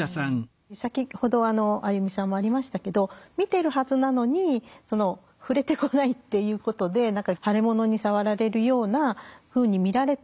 先ほどアユミさんもありましたけど見てるはずなのに触れてこないっていうことで何か腫れ物に触られるようなふうに見られてる。